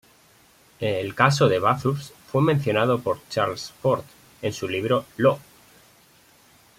El caso de Bathurst fue mencionado por Charles Fort en su libro "Lo!".